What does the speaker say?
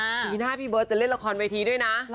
ปีหน้าพี่เบิร์ตจะเล่นละครเวทีด้วยนะ